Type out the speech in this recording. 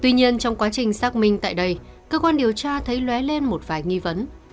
tuy nhiên trong quá trình xác minh tại đây cơ quan điều tra thấy lé lên một vài nghi vấn